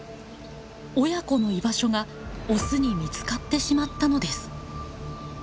親子の居場所がオスに見つかってしまったのです。